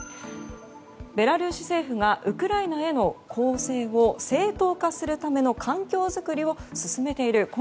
ベラルーシ政府がウクライナへの攻勢を正当化するための環境づくりを進めている。